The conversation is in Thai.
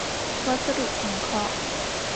วัสดุสังเคราะห์